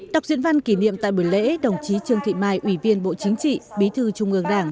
đọc diễn văn kỷ niệm tại buổi lễ đồng chí trương thị mai ủy viên bộ chính trị bí thư trung ương đảng